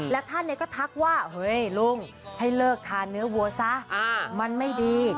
แล้วท่านก็ทักว่าเฮ้ยลุงให้เลิกทานเนื้อวัวซะมันไม่ดี